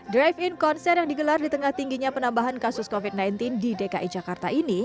drive in konser yang digelar di tengah tingginya penambahan kasus covid sembilan belas di dki jakarta ini